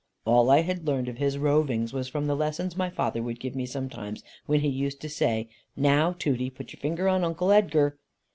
All I had learned of his rovings was from the lessons my father would give me sometimes, when he used to say, "Now, Tooty, put your finger on Uncle Edgar."